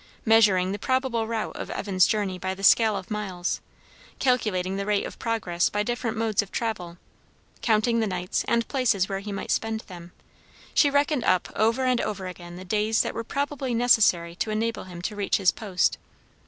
Measuring the probable route of Evan's journey by the scale of miles; calculating the rate of progress by different modes of travel; counting the nights, and places where he might spend them; she reckoned up over and over again the days that were probably necessary to enable him to reach his post.